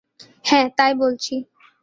হ্যাঁ, তাই বলছি।